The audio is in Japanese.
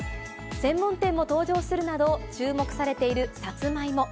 専門店も登場するなど、注目されているサツマイモ。